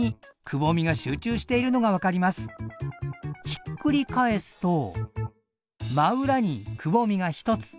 ひっくり返すと真裏にくぼみが一つ。